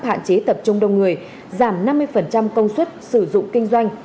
hạn chế tập trung đông người giảm năm mươi công suất sử dụng kinh doanh